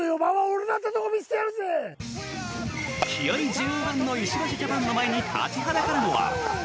気合十分の石橋ジャパンの前に立ちはだかるのは。